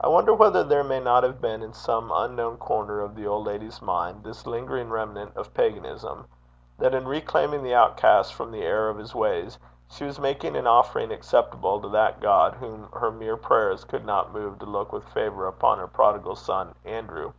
I wonder whether there may not have been in some unknown corner of the old lady's mind this lingering remnant of paganism, that, in reclaiming the outcast from the error of his ways, she was making an offering acceptable to that God whom her mere prayers could not move to look with favour upon her prodigal son Andrew.